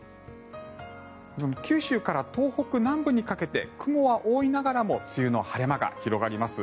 九州から東北南部にかけて雲は多いながらも梅雨の晴れ間が広がります。